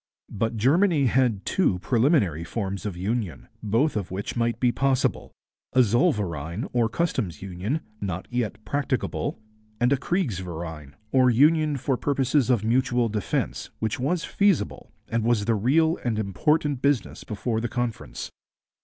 But Germany had had two preliminary forms of union, both of which might be possible, a zollverein or customs union, not yet practicable, and a kriegsverein, or union for purposes of mutual defence, which was feasible, and was the real and important business before the Conference.